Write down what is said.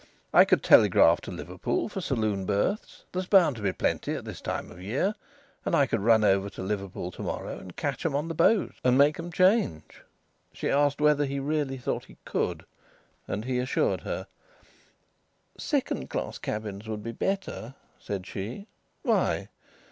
"I could telegraph to Liverpool for saloon berths there's bound to be plenty at this time of year and I could run over to Liverpool to morrow and catch 'em on the boat, and make 'em change." She asked him whether he really thought he could, and he assured her. "Second cabin berths would be better," said she. "Why?"